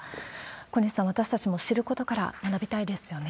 小西さん、私たちも知ることから学びたいですよね。